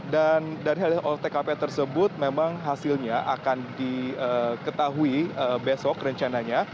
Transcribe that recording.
dan dari hasil olah tkp tersebut memang hasilnya akan diketahui besok rencananya